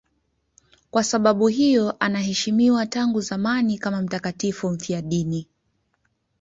Kwa sababu hiyo anaheshimiwa tangu zamani kama mtakatifu mfiadini.